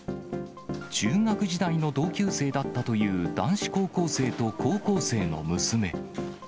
中学時代の同級生だったという男子高校生と高校生の娘。